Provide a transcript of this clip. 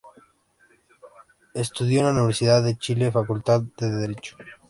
Estudió en la Universidad de Chile, Facultad de Derecho.